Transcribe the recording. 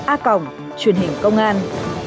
a cộng truyền hình công an